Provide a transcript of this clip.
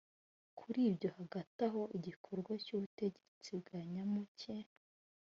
kuri ibyo hagataho igikorwa cy’ubutegetsi bwa nyamuke